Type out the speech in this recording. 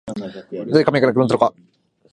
何故、紙がなくなったのか